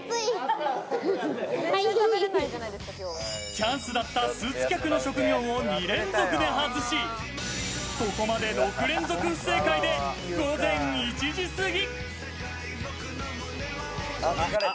チャンスだったスーツ客の職業を２連続で外し、ここまで６連続不正解で午前１時過ぎ。